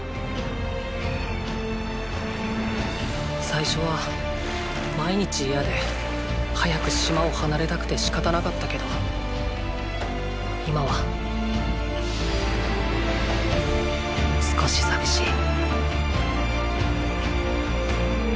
最初は毎日嫌で早く島を離れたくて仕方なかったけど今は少し寂しい。